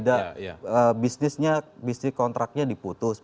tidak bisnisnya bisnis kontraknya diputus